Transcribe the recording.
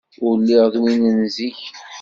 Ur lliɣ d win n zik.